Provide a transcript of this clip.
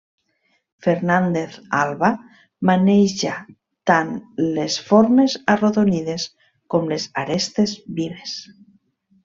Fernández Alba maneja tant les formes arrodonides com les arestes vives.